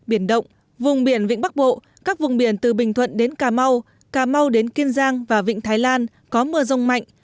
biển động vùng biển vĩnh bắc bộ các vùng biển từ bình thuận đến cà mau cà mau đến kiên giang và vịnh thái lan có mưa rông mạnh